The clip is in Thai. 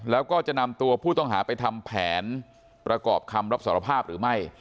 แล้วก็จะนำตัวผู้ต้องหาไปทำแผนประกอบคำรับสารภาพหรือไม่